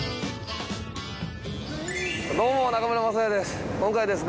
どうも中村昌也です。